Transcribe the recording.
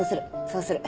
そうする。